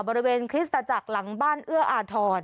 บริเวณคริสตจากหลังบ้านเอื้ออาทร